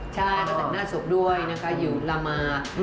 ใช่ก็แต่งหน้าศพด้วยนะคะอยู่ลามา